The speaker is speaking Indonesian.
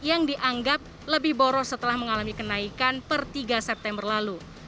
yang dianggap lebih boros setelah mengalami kenaikan per tiga september lalu